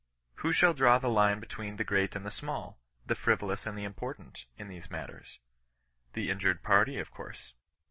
Who shall draw the line between the great and the small; the frivolous CHBISTIAN NON BESISTANOE. 27 and the important, in these matters ? The injured party, of course.